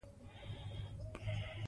احتمالي ماضي ناڅرګند حالت ښيي.